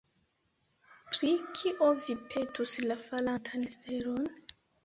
Pri kio vi petus la falantan stelon?